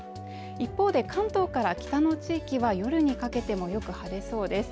一方で関東から北の地域は夜にかけてもよく晴れそうです